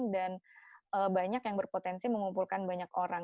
dan banyak yang berpotensi mengumpulkan banyak orang